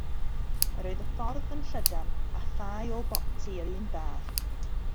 Yr oedd y ffordd yn llydan a thai o boptu yr un fath.